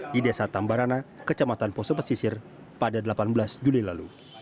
di desa tambarana kecamatan poso pesisir pada delapan belas juli lalu